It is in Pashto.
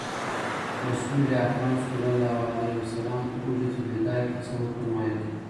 رسول اکرم صلی الله علیه وسلم په حجة الوداع کې څه وفرمایل؟